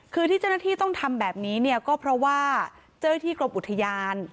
คือที่เจ้าหน้าที่ต้องทำแบบนี้เนี่ยก็เพราะว่าเจ้าหน้าที่กรมอุทยาน